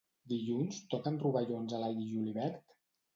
Dilluns toquen rovellons a l'all i julivert?